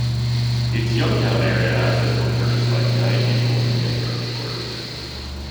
Its Youngstown-area assets were purchased by Giant Eagle in bankruptcy court.